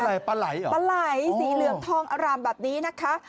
อะไรปลาไหล่เหรอปลาไหล่สีเหลืองทองอร่ามแบบนี้นะคะ